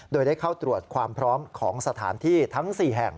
โดยได้เข้าตรวจความพร้อมของสถานที่ทั้ง๔แห่ง